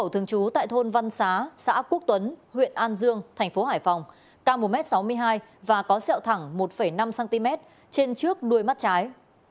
thương chú tại thôn văn xá xã quốc tuấn huyện an dương tp hải phòng ca một m sáu mươi hai và có xẹo thẳng một năm cm trên trước đuôi mắt trái